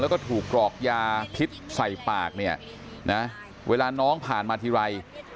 แล้วก็ถูกกรอกยาพิษใส่ปากเนี่ยนะเวลาน้องผ่านมาทีไร